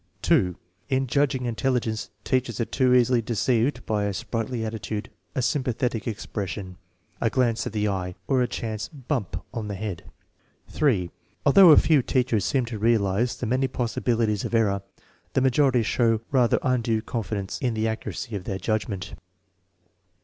2. In judging intelligence teachers are too easily de ceived by a sprightly attitude, a sympathetic expression, a glance of the eye, or a chance " bump " on the head. 3. Although a few teachers seem to realize the many possibilities of error, the majority show rather undue con fidence in the accuracy of their judgment.